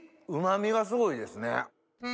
うま味がすごいですね。